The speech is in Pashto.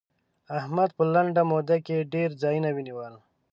احمد په لنډه موده کې ډېر ځايونه ونيول.